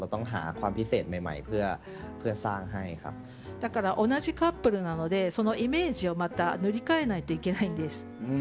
だから同じカップルなのでそのイメージをまた塗り替えないといけないんです。